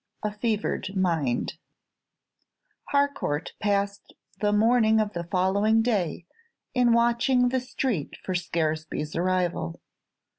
A FEVERED MIND Harcourt passed the morning of the following day in watching the street for Scaresby's arrival.